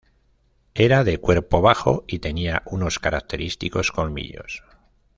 Era de cuerpo bajo y tenía unos característicos colmillos.